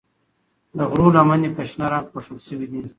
د غرو لمنې په شنه رنګ پوښل شوي دي.